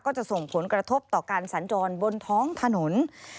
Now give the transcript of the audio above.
จะส่งผลกระทบต่อการสัญจรบนท้องถนน